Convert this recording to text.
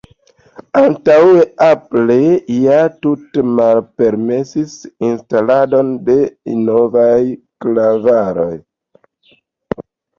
Antaŭe Apple ja tute malpermesis instaladon de novaj klavaroj.